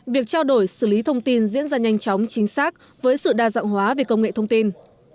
việc trao đổi xử lý thông tin diễn ra nhanh chóng chính xác với sự đa dạng hóa về công nghệ thông tin